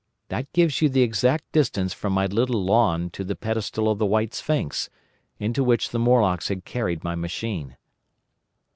That gives you the exact distance from my little lawn to the pedestal of the White Sphinx, into which the Morlocks had carried my machine.